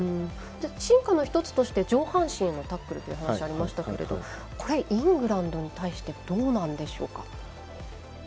進化の１つとして上半身へのタックルという話がありましたがこれはイングランドに対してどうなんでしょうか？